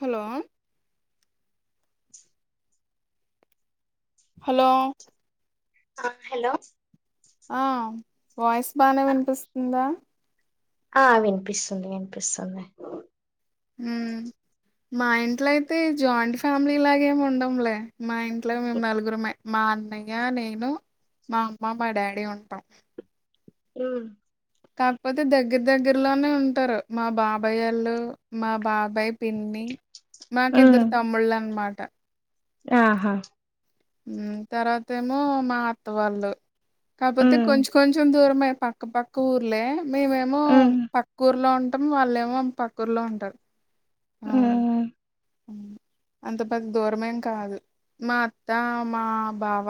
Hello hello ఆ hello ఆ voice బానే వినిపిస్తుందా ఆ వినిపిస్సుంది వినిపిస్సుంది హుమ్ మా ఇంట్లో అయితే జాయింట్ ఫ్యామిలీలాగేమి ఉండంలే మా ఇంట్లో మేము నలుగురమే మా అన్నయ్య నేను మా అమ్మ మా డాడీ ఉంటాం హ్మ్ కాకపోతే దగ్గర దగ్గరలోనే ఉంటారు మా బాబాయ్ వాళ్ళు మా బాబాయ్ పిన్ని. మాకి ఉమ్ ఇద్దరు తమ్ముళ్ళు అన్మాట ఆహా హ్మ్ తర్వాత ఏమో మా అత్త వాళ్ళు కాకపోతే ఉమ్ కొంచెం కొంచెం దూరమే పక్క పక్క ఊర్లే మేమేమో ఉమ్ పక్ కూర్లో ఉంటాం వాళ్ళేమో పక్కూర్లో ఉంటారు అవున్ ఉమ్ అంత పెద్ద దూరమేం కాదు మా అత్తా మా బావ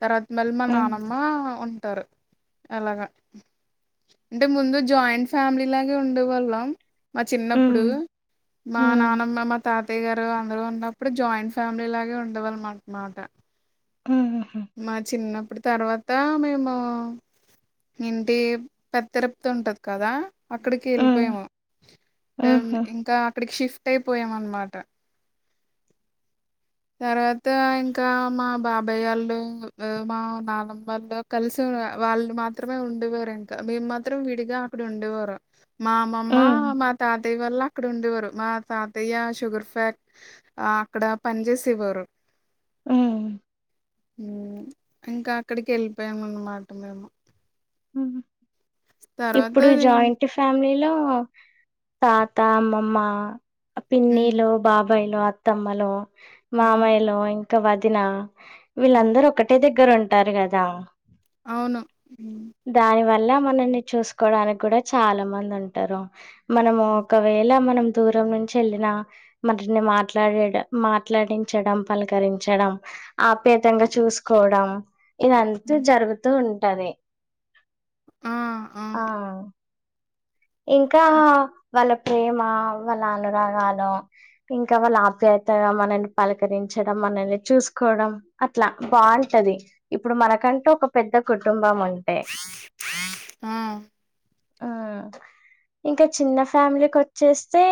తర్వాత మళ్ళీ మా ఉమ్ నానమ్మ ఉంటారు అలాగా అంటే ముందు జాయింట్ ఫ్యామిలీ లాగే ఉండే వాళ్ళం మా చిన్నప్పుడు మా ఉమ్ నానమ్మ ఏమో తాతయ్య గారు అందరూ ఉన్నప్పుడు జాయింట్ ఫ్యామిలీ లాగే ఉండేవాళ్ళం అనేమాట మ్మ్ హు హ్మ్ మా చిన్నప్పుడు తర్వాత మేము ఇంటి [unintelligible] ఉంటది కదా అక్కడికి ఉమ్ వెళ్ళిపోయాము ఎం ఉహు ఇంకా అక్కడికి షిఫ్ట్ అయిపోయాం అన్మాట తర్వాత ఇంకా మా బాబాయ్ వాళ్ళు మా నాన్నమ్మ వాళ్ళు కలిసి వాళ్ళు మాత్రమే ఉండేవారు ఇంకా మేము మాత్రం విడిగా అక్కడ ఉండేవారు మా అమ్మ మ్మా ఉమ్ మా తాతయ్య వాల్లు అక్కడ ఉండేవారు మా తా తయ్యా షుగర్ ఫ్యాక్ ఆ అక్కడ పని చేసేవారు మ్మ్ ఇంకా అక్కడికి వెళ్ళిపోయాము అన్నమాట మేము [inaudible] తర్వాత ఇప్పుడు జాయింట్ ఫ్యామిలీలో తాత అమ్మమ్మ హ్మ్. పిన్నిలు బాబయిలు అత్తమ్మలు ఆ! మామాయిలు ఇం ఇ వదిన హ్మ్. వీళ్ళందరూ ఒకటే దగ్గర ఉంటారు కదా అవును దాని వల్ల మనల్ని చూసుకోవడానికి కూడ చాల మంది ఉంటారు మనము హ్మ్. ఒక వేళ మనం దూరం నుంచి వెళ్ళిన [unintelligible] న్నే మాట్లాడీడు మాట్లాడించడం పలకరించడం ఆప్యాతంగ చూసుకోవడం ఇదంతా హ్మ్. జరుగుతూ ఉంటది ఆ! ఆ అవును. ఇంకా వాళ్ళ ప్రేమ వాళ్ళ అనురాగాలు ఇంక వాళ్ళ ఆప్యాయత మనల్ని పలకరించడం మనల్ని చూసుకోవడం అట్లా బాగుంటది ఇప్పుడు మనకంటే ఒక పెద్ద కుటుంబం ఉ ఆ! ఆ ఇంక చిన్న ఫ్యామిలీకి ఒచ్చేస్తే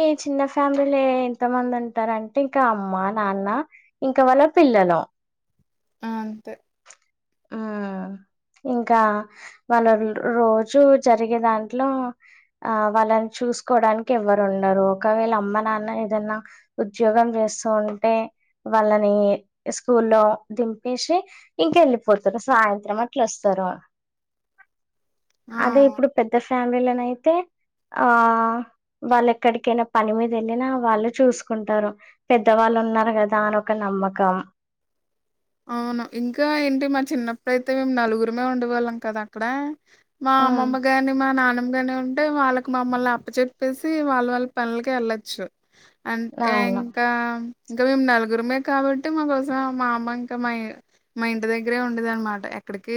ఈ చిన్న ఫ్యామిలీలే ఎంత మంది ఉంటారంటే ఇక అమ్మ నాన్న ఇంక వాళ్ళ పిల్లలు ఉ అంతే ఉమ్. ఇంకా [unintelligible] రోజు జరిగే దాంట్లో ఆ వాళ్ళని చూసుకోవడానికి ఎవ్వరు ఉండరు ఒకవేళ అమ్మ నాన్న ఏదన్న ఉద్యోగం చేస్తూ ఉంటే వాళ్ళని స్కూల్లో దింపేసి ఇంకెళ్ళి పోతారు సాయంత్రం అట్ల వస్తారు అదే ఆ! ఇప్పుడు పెద్ద ఫ్యామిలీలోన అయితే ఆ వాళ్ళు ఎక్కడికైన పని మీద వెళ్ళినా వాళ్ళు చూసుకుంటారు. పెద్దవాళ్ళు ఉన్నారు కదా అని ఒక నమ్మకం అవును ఇంక ఏంటి మా చిన్నప్పుడైతే మేము నలుగురుమే ఉండేవాళ్ళం కదా అక్కడ మా ఉమ్ అమ్మమ్మ [unintelligible] మా నాన్నమ్మ గాని ఉ అంటే వాళ్ళకి మమ్మల్ని అప్ప చెప్పేసి వాళ్ళ వాళ్ళ పనులకి వెళ్ళచ్చు అంటే అవును ఇంకా ఇంకా మేము నలుగురుమే కాబట్టి మాకోసం మా అమ్మ ఇంకా మా మా ఇంటి దగ్గరే ఉండేది అనమాట ఎక్కడికి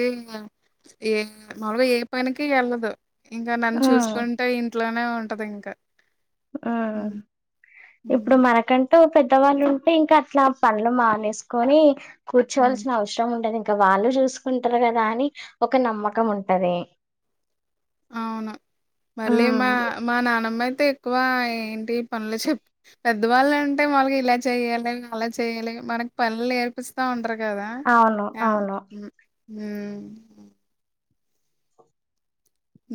ఏ మాముల్గ ఏ పనికి వెళ్ళదు ఇంకా నన్ను ఉమ్ చూసుకుంటే ఇంట్లోనే ఉంటది ఇంక ఉ ఇప్పుడు మనకం పెద్దవాళ్ళు ఉంటే ఇంకా అట్లా పనులు మానేసుకొని ఉమ్. కూర్చోవల్సిన అవసరం ఉండదు ఇంక వాళ్ళు చూసుకుంటారు కదా అని ఒక నమ్మకం ఉంటది అవును మళ్ళీ మా ఉమ్ మా నానమ్మ అయితే ఎక్కువ ఏంటి పనులు చెప్ పెద్దవాళ్ళు అంటే వాళ్ళకి ఇలా చెయ్యాలి అలా చెయ్యాలి మనకి పనులు పిస్తా ఉంటరు కదా అవును అవును [unintelligible]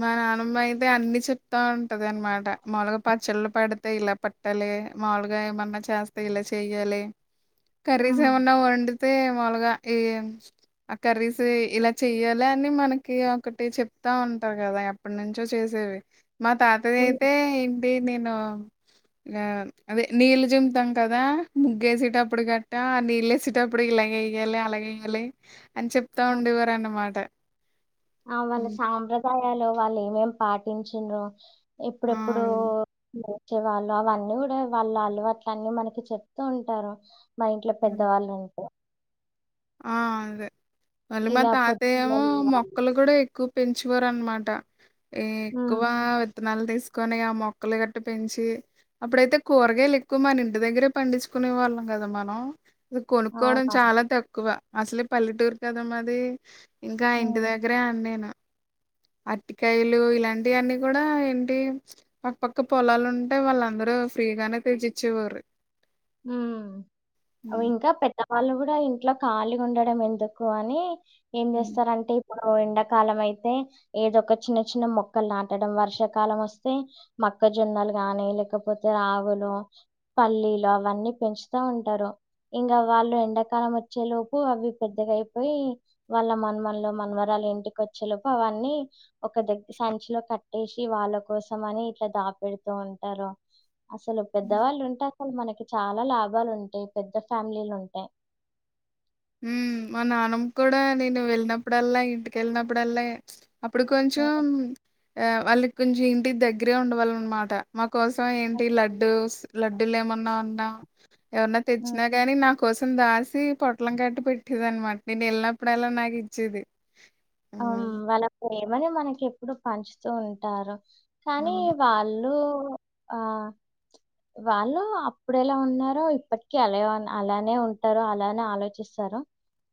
మా నానమ్మ అయితే అన్ని చెప్తా ఉంటది అనమాట మాలుగా ప చెళ్ళు పడితే ఇలా పే ట్టాలి మాములుగా ఏమన్నా చేస్తే ఇలా చెయ్యాలి కర్రీస్ ఉమ్ ఏమన్నా ఒన్ మామూలుగా ఏ ఆ కర్రీస్ ఇలా చెయ్యాలి అని మనకి ఒకటి చెప్తా టారు కదా ఎప్పటి నుంచో చేసేవి మా తాతది అయితే ఉమ్ ఏంటి నేను నామ్ అదే నీళ్ళు చింమ్ముతాం కదా ముగ్గేసేటప్పుడ్ గట్ట ఆ నీళ్లేసేటప్పుడ్ ఇలాగెయ్యాలి అలాగె య్యాలి అన్ చెప్తా ఉండేవార్ అన్నమాట. ఆ వాళ్ళ సాంప్రదాయాలు వెళ్ళేమేం పాటించిన్రో ఆ! ఎప్పుడెప్పుడూ ఓకే వాళ్ళు అవన్నీ గుడా వాళ్ళ అలవాట్లన్ని మనకి చెప్తూ ఉంటారు. మా ఇంట్ల హ్మ్. పెద్దవాళ్ళన్ ఆ అదే మళ్ళీ మా ఇలా పొద్దున తాతయ్యేమో లేవాలి. మొక్కలు కుడ ఎక్కు పెంచుకోరన్మాట ఏ హ్మ్ ఎక్కువా విత్తనాల్ తీస్కొని ఆ మొక్కలు గట్ట పెంచి అప్పుడైతే కూరగాయల్ ఎక్కువ మనింటి దగ్గరే పండిచ్చుకునే వాళ్ళం గదా మనం. కొనుక్కోవడం అవునవును. చాలా తక్కువ అసలే పల్లెటూర్ కదా మాదీ ఇంకా ఇంటి హ్మ్. దగ్గరే అన్నీను. అట్టికాయలు ఇలాంటియన్నీ కూడా ఏంటి పక్క పక్క పొలాలుంటే వాళ్ళందరూ ఫ్రీగానే తెచ్చిచ్చేవారు. ఉమ్ అవింక పెద్ద వాళ్ళు గుడా ఇంట్లో ఖాళీ ఉండడం ఎందుకు అనీ ఏం చేస్తరంటే ఇప్పుడు ఎండాకాలం అయితే ఏదొక చిన్న చిన్న మొక్కల్ నాటడం వర్షాకాలం వస్తే మక్కజొన్నలు గానీ లేకపోతే రావులు, పల్లీల వన్నీ పెంచుతా ఉంటారు. ఇంకా వాళ్ళు ఎండాకాలం వచ్చేలోపు అవి పెద్దగైపోయి వాళ్ళ మన్మన్లో మన్మరాల్ ఇంటికొచ్చే లోపు అవన్నీ ఒక దగ్గ సంచిలో కట్టేసి వాళ్ళ కోసం అని ఇట్ల దాపెడుతూ ఉంటారు. అసలు పెద్దవాళ్లుంటే అసల్ మనకి చాలా లాభాలుంటయి పెద్ద ఫ్యామిలీలుంటే ఉమ్ మా నానమ్మ కూడా నేను వెళ్ళినప్పుడల్లా ఇంటికెళ్ళినప్పుడల్లా అప్పుడు హ్మ్. కొంచం ఆ వాళ్ళక్ కొంచి ఇంటిక్ దగ్గరే ఉండే వాళ్ళం అన్నమాట మా కోసం ఏంటి లడ్డూస్ లడ్డులేమన్నా ఉన్నా ఏమన్న హ్మ్. తెచ్చిన గాని నా కోసం దాసి పొ పొట్లం కట్టి పెట్టేదన్మాట నేన్ ఎళ్ళినప్పుడల్ల నాకిచ్చేది. అం వాళ్ళ ప్రేమని మనక్ ఎప్పుడు పంచుతూ ఉంటారు. కానీ అవును వాళ్ళు ఆ వాళ్ళు అప్పుడెలా ఉన్నారో ఇప్పటికి అలా అలానే ఉంటరు అలానే ఆలోచిస్తరు.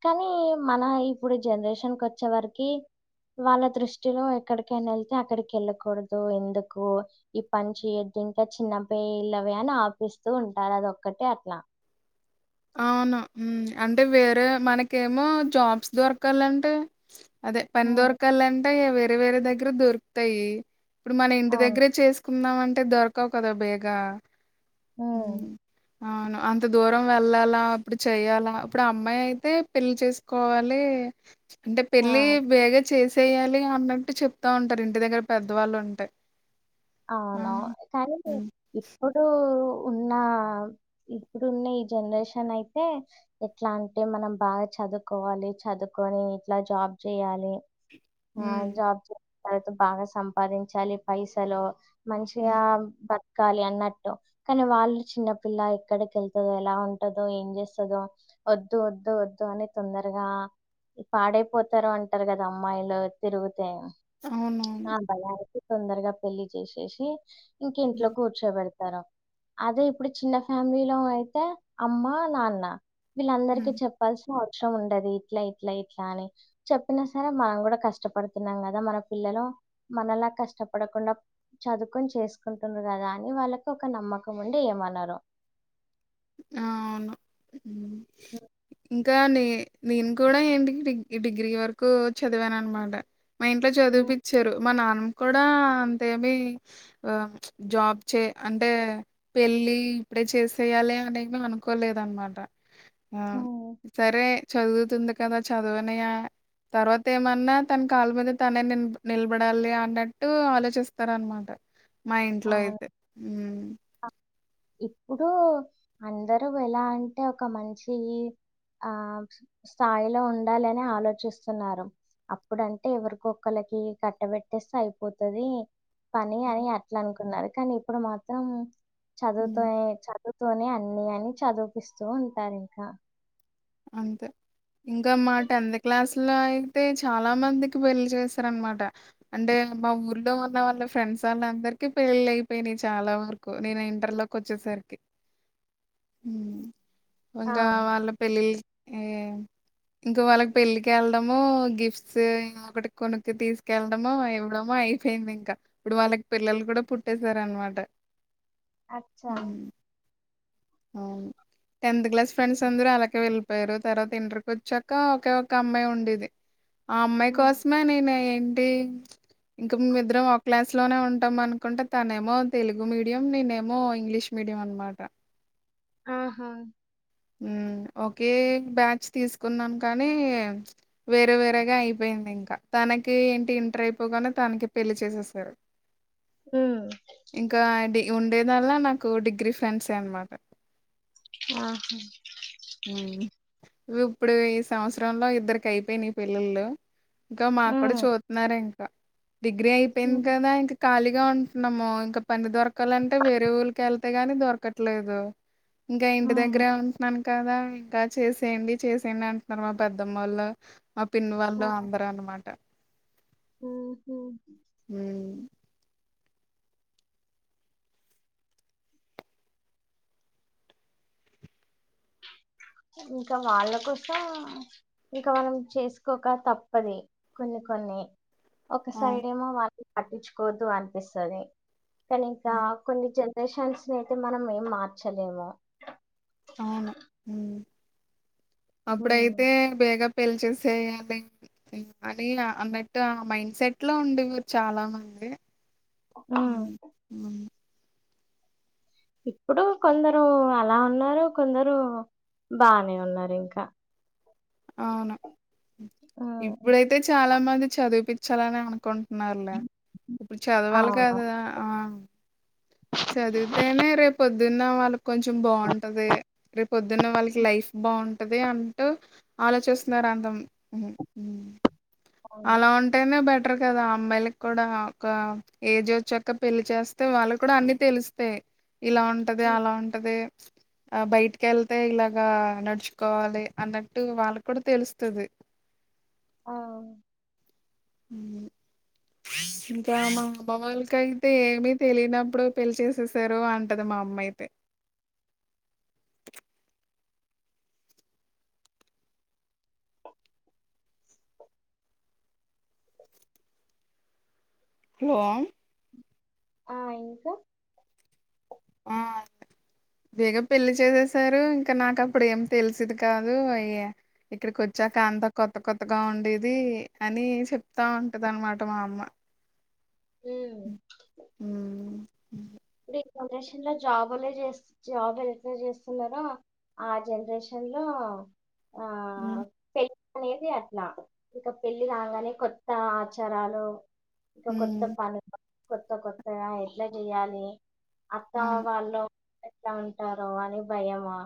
కనీ మన ఇప్పుడు జనరేషన్ కొచ్చే వరకీ వాళ్ళ దృష్టిలో ఎక్కడికైనా ఎళ్తే అక్కడి కెళ్ళకూడదు ఎందుకు ఈ పన్ చెయొద్దు ఇంకా చిన్న పిల్లవే అన్ ఆర్పిస్తూ ఉంటార్ అదొక్కటే అట్ల అవును మ్ అంటే వేరే మనకేమో జాబ్స్ దొరకాలంటే అదే పన్ హ్మ్. దొరకాలంటే వేరే వేరే దగ్గర దొరుకుతాయి. ఇప్పుడు మన ఇంటి అవును. దగ్గరే చేస్కుందామంటే దొరకవు కదా బేగా ఉమ్, మ్ అవును అంత దూరం వెళ్ళాలా అప్పుడు చెయ్యాలా అప్పుడు అమ్మాయి అయితే పెళ్లి చేస్కోవాలీ అంటే ఆ, పెళ్ళి బేగ చేసేయాలి అన్నట్టు చెప్తా ఉంటరు ఇంటి దగ్గర పెద్దవాళ్ళుంటే ఆ! అవును కానీ హ్మ్. ఇప్పుడూ ఉన్నా ఇప్పుడున్న ఈ జనరేషన్ అయితే ఎట్లా అంటే మనం బాగా చదువుకోవాలి చదువుకోని ఇట్ల జాబ్ చేయాలి. ఆ హ్మ్. జాబ్ చేసిన్ తర్వాత బాగా సంపాదించాలి పైసలు మంచిగా హ్మ్. పన్ కాలి అన్నట్టు, కనీ వాళ్ళు చిన్నపిల్ల ఎక్కడికెళ్తదో, ఎలా ఉంటదో, ఏం చేస్తుందో వద్దు వద్దు వద్దు అని తొందరగా పాడైపోతారు అంటరు కదా అమ్మాయిలు తిరుగుతే అవును ఆ భయానికి తొందరగా పెళ్లి చేసేసి ఇంక ఇంట్లో హ్మ్. కూర్ కూర్చో పెడతార, అదే ఇప్పుడు చిన్న ఫ్యామిలీలో అయితే అమ్మ, నాన్న. వీళ్ళందరికి హ్మ్. చెప్పాల్సిన అవసరం ఉండది, ఇట్ల ఇట్ల ఇట్ల అని. చెప్పినా సరే మనం గుడ కష్టపడుతున్నం కదా, మన పిల్లలు మనలా కష్టపడకుండా చదువుకొని చేసుకుంటుర్రు కదా అని వాళ్ళకు ఒక నమ్మకం ఉండి ఏమనరు. ఆ అవును ఉమ్ హ్మ్. ఈ కానీ నేను కూడా ఏంటికి డిగ్రీ డిగ్రీ వరకు చదివాను అన్నమాట. మా ఇంట్లో హ్మ్. చదువుపిచ్చారు, మా నాన్న కూడా అంతేమి ఆ ప్చ్ జాబ్ చే అంటే పెళ్ళి ఇప్పుడే చేసేయాల అని ఏం అనుకోలేదనమాట, ఆ హ్మ్. సరే చదువుతుంది కదా చదవనీయ తర్వాత ఏమన్నా తన కాళ్ళ మీద తనే నిల్ నిలబడాలి అన్నట్టు ఆలోచిస్తారన్నమాట. మా ఇంట్లో అవును. అయితే ఉమ్ ఇప్పుడు అందరూ ఎలా అంటే ఒక మంచి ఆ స్థాయిలో ఉండాలని ఆలోచిస్తున్నారు. అప్పుడు అంటే ఎవరికొక్కలకి కట్టబెట్టేస్తే అయిపోతది పని అని హ్మ్. అట్ల అనుకున్నా, రు కానీ ఇప్పుడు మాత్రం చదువుతే హ్మ్. చ దువు తనే అన్ని అని చదువుపిస్తూ ఉంటారు ఇంకా. అంతే ఇంకా మా టెన్త్ క్లాసు లో అయితే చాలా మందికి పెళ్లి చేసారనమాట. అంటే మా ఊర్లో ఉన్న వాళ్ళ ఫ్రెండ్స్ వాళ్ళ అందరికి పెళ్లీలయిపోయినయి చాలా వరు కు నేనా ఇంటర్ లోకి వచ్చేసరికి, ఉమ్ ఆ, ఇంకా వాళ్ళ పెళ్లిల్ ఈ ఇంక వాళ్ళకి పెళ్ళికి ఎళ్ళడము, గిఫ్ట్స్ ఒకటి కొనుక్కు తీసుకెల్లడము, ఇవ్వడము అయిపోయింది ఇంకా. ఇప్పుడు వాళ్ళకి పిల్లలు కూడా పుట్టేశారు అనమాట. అచ్చా అవును టెన్త్ క్లాస్ ఫ్రెండ్స్ అందరూ అలాకే వెళ్ళిపోయారు, తర్వాత ఇంటర్కి వచ్చాక ఒకే ఒక అమ్మాయి ఉండేది. ఆ అమ్మాయి ఉమ్, కోసమే నేనా ఏంటి ఇంకా మేమీద్దరము ఒక క్లాస్ లోనే ఉంటాం అనుకుంటే, తనేమో తెలుగు మీడియం, నేనేమో ఇంగ్లీష్ మీడియం అనమాట. ఆహ ఉమ్ ఓకే బ్యాచ్ తీసుకున్నాం కానీ వేరే వేరేగా అయిపోయింది ఇంకా, తనకి ఏంటి ఇంటర్ అయిపోగానే తనకి పెళ్లి చేసేసారు [inaudible] ఉమ్ ఇంకా డి ఉండేదల్ల నాకు డిగ్రీ ఫ్రెండ్సే అనమాట. ఆహ ఉమ్ ఇప్పుడు ఈ సంవత్సరంలో ఇద్దరికి అయిపోయినై పెళ్లిళ్లు ఇంక మా కూడా ఉమ్, చూత్తున్నారు ఇంకా, డిగ్రీ అయిపోయింది ఉమ్, కదా ఇంక్ ఖాళీగా ఉంటునము ఇంకా పని దొరకాలంటే వేరే ఊరికెళ్తే గానీ దొరకట్లేదు. ఇంకా ఇంటి దగ్గరే ఉమ్, ఉంటున్నాను కదా ఇంకా చేసేయండి, చేసేయండి అంటున్నారు మా పెద్దమ్మళ్ళ. మా పిన్ను వాళ్ళు అందరు అనమాట ఉహు ఉమ్ ఇంకా వాళ్ళ కోస ఇక మనం చేసుకోక తప్పది కొన్ని కొన్ని ఒక అవును సైడ్ ఏమో వాళ్ళని పట్టించుకోద్దు అనిపిస్తది కానీ ఇంకా కొన్ని జన్ జనరేషన్స్ ని అయితే మనం ఏం మార్చలేము ఉమ్ అప్పుడైతే బేగా పెలిచేసేయాలి అని అన్నట్టు ఆ మైండ్ సెట్ లో ఉండేవి చాలా మంది హ్ హు ఇప్పుడు కొందరు అలా ఉన్నారు కొందరు బానే ఉన్నారు ఇంకా అవును ఉమ్. ఇప్పుడైతే చాలా మంది చదివిపించాలని అని అనుకున్ న్నారులే ఇప్పుడు చదవాలి అవును కదా ఆ చదివితేనే రేపు పొద్దున్న వాళ్ళకి కొంచెం బాగుంటది రేప్ పొద్దున్న వాళ్ళకి లైఫ్ బాగుంటది అంటూ ఆలోచిస్తున్నారు అంటం అవును అలా ఉంటేనే బెట్ టర్ కదా అమ్మాయిలకి కూడా ఒక ఏజ్ వచ్చాక పెళ్లి చేస్తే వాళ్ళకి కూడా అన్ని తెలుస్తయి. ఇలా ఉంటది ఉమ్. అలా ఉంటది ఆ బయటికి వెళ్తే ఇలాగా నడుచుకోవాలి అన్నట్టు వాళ్ళ కూడా తెలుస్తది. ఆ హ్ ఇంకా మా అమ్మవాళ్ళకయితే ఏమి తెలియనప్పుడు పెళ్లి చేసేసారు అంటది మా అమ్మ అయితే టోమ్ ఆ ఇంకా ఆ బేగ పెళ్లి చేసేసారు ఇంకా నాకు అప్పుడు ఏం తెలిసేది కాదు అయ్యే ఇక్కడికి వచ్చాక అంత కొత్త కొత్తగా ఉండేది అని చెప్తా ఉంటది అనమాట మా అమ్మ. ఉమ్. హ్ హు ఈ జనరేషన్ లో జాబులే చేస్ జాబ్ వెంటనే చేస్తున్నారా ఆ జనరేషన్ లో ఆ పెళ్లి అనేది అట్లా ఇంకా పెళ్లి రాగానే కొత్త ఆచారాలు ఇంకా ఉ కొత్త పని కొత్త కొత్తగా ఎట్లా చెయ్యాలి అత్త అవును వాళ్ళు ఎట్ల ఉంటారో అని భయము